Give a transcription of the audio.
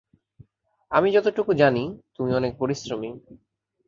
আমি যতটুকু জানি, তুমি অনেক পরিশ্রমী।